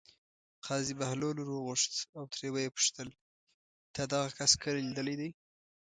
قاضي بهلول ور وغوښت او ترې ویې پوښتل: تا دغه کس کله لیدلی دی.